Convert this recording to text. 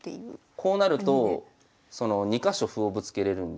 こうなると２か所歩をぶつけれるんで。